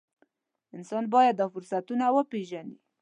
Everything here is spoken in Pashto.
انسان باید دا فرصتونه وپېژني.